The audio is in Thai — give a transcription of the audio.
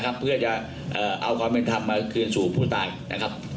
นะครับผมก็ต้องให้การว่าเขาให้การขัดแย้งข้อเรียกจริงนะครับ